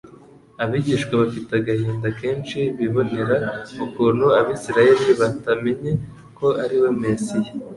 Abigishwa bafite agahinda kenshi bibonera ukuntu Abisiraeli batamenye ko ariwe Mesiya.